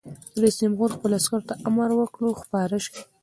رئیس جمهور خپلو عسکرو ته امر وکړ؛ خپاره شئ!